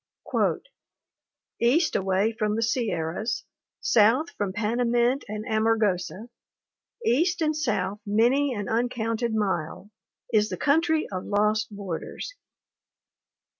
"East away from the Sierras, south from Pana mint and Amargosa, east and south many an uncounted mile, is the Country of Lost Borders.